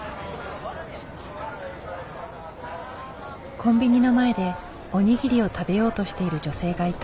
コンビニの前でおにぎりを食べようとしている女性がいた。